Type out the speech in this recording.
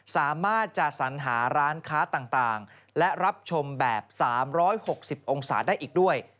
สามารถจะสัญหาร้านค้าต่างและรับชมแบบ๓๖๐องศาได้อีกด้วย